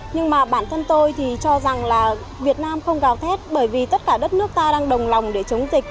nhưng mà bản thân tôi thì cho rằng là việt nam không gào thét bởi vì tất cả đất nước ta đang đồng lòng để chống dịch